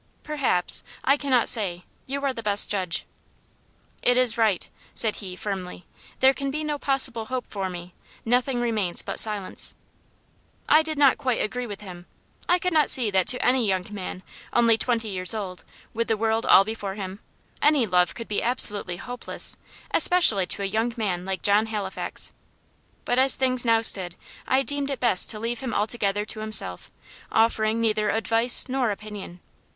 "Perhaps. I cannot say. You are the best judge." "It is right," said he, firmly. "There can be no possible hope for me; nothing remains but silence." I did not quite agree with him. I could not see that to any young man, only twenty years old, with the world all before him, any love could be absolutely hopeless; especially to a young man like John Halifax. But as things now stood I deemed it best to leave him altogether to himself, offering neither advice nor opinion.